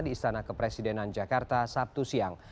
di istana kepresidenan jakarta sabtu siang